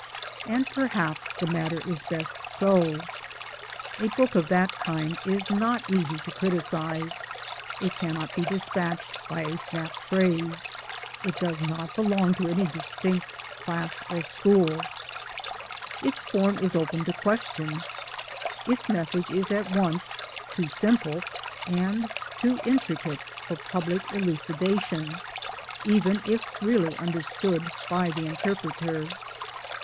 And perhaps the matter is best so. A book of that kind is not easy to criticize ; it cannot be dispatched by a snap phrase ; it does not belong to any distinct class or school ; its form is open to question ; its message is at once too simple and too intricate for public elucidation even if really understood by the interpreter.